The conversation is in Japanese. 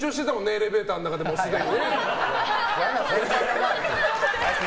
エレベーターの中ですでに。